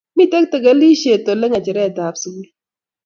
Mitei neketilishe Ole ngecheretab sukul